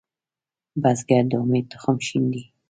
بزګر د امید تخم شیندي